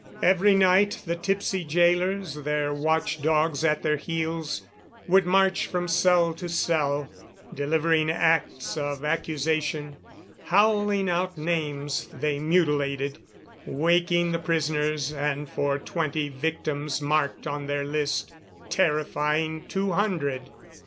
Every night the tipsy gaolers, their watch dogs at their heels, would march from cell to cell, delivering acts of accusation, howling out names they mutilated, waking the prisoners and for twenty victims marked on their list terrifying two hundred.